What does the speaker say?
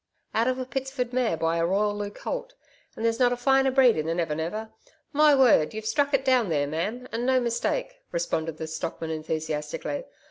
'Out of a Pitsford mare by a Royallieu colt, and there's not a finer breed in the Never Never. My word! you've struck it there, ma'am, and no mistake,' responded the stockman enthusiastically.